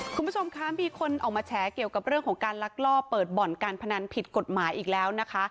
คุณผู้ชมคะมีคนออกมาแฉเกี่ยวกับเรื่องของการลักลอบเปิดบ่อนการพนันผิดกฎหมายอีกแล้วนะคะ